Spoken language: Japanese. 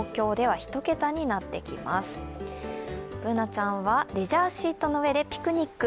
Ｂｏｏｎａちゃんはレジャーシートの上でピクニック。